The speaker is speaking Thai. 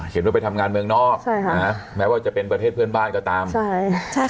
เห็นว่าไปทำงานเมืองนอกใช่ค่ะแม้ว่าจะเป็นประเทศเพื่อนบ้านก็ตามใช่ใช่